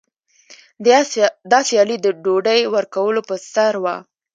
دا سیالي د ډوډۍ ورکولو په سر وه.